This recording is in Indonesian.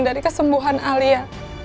dari kesembuhan alia